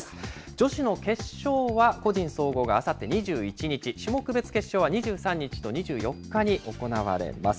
女子の決勝は個人総合があさって２１日、種目別決勝は２３日と２４日に行われます。